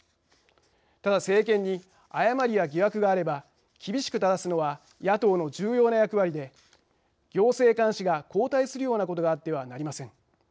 ただ、政権に誤りや疑惑があれば厳しくただすのは野党の重要な役割で行政監視が後退するようなことがあってはなりません。